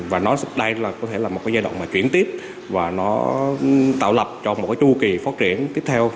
và đây có thể là một giai đoạn chuyển tiếp và nó tạo lập cho một chư kỳ phát triển tiếp theo